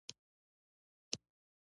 کچالو طبیعي خواړه دي